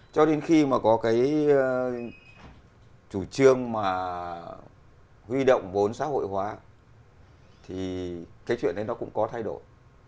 cho đến khi mà có cái chủ trương mà huy động vốn xã hội hóa thì cái chuyện đấy nó cũng có thay đổi